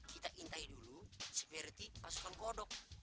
kita intai dulu seperti pasukan kodok